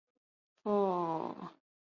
由中日本高速公路管理。